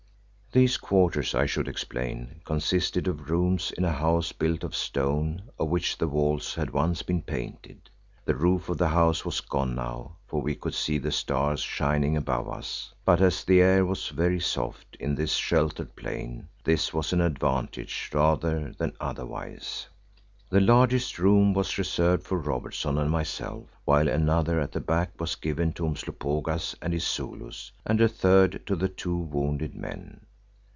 These quarters, I should explain, consisted of rooms in a house built of stone of which the walls had once been painted. The roof of the house was gone now, for we could see the stars shining above us, but as the air was very soft in this sheltered plain, this was an advantage rather than otherwise. The largest room was reserved for Robertson and myself, while another at the back was given to Umslopogaas and his Zulus, and a third to the two wounded men.